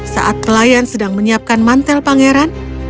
saat pelayan sedang menyiapkan mantel pangeran